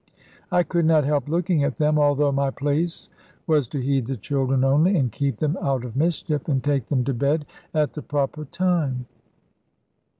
I could not help looking at them, although my place was to heed the children only, and keep them out of mischief, and take them to bed at the proper time.